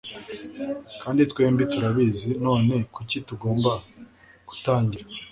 kandi twembi turabizi, none kuki tugomba gutangira